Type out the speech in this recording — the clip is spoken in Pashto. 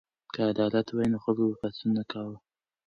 که عدالت وای نو خلکو به پاڅون نه کاوه.